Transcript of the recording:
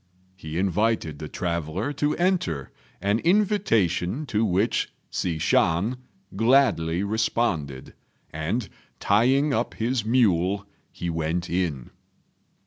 He invited the traveller to enter, an invitation to which Hsi Shan gladly responded; and, tying up his mule, he went in.